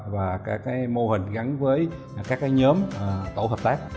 và các mô hình gắn với các nhóm tổ hợp tác